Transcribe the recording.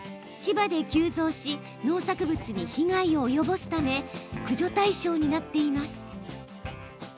千葉で急増し農作物に被害を及ぼすため駆除対象になっています。